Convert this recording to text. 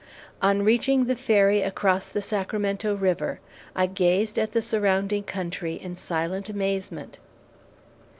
On reaching the ferry across the Sacramento River, I gazed at the surrounding country in silent amazement.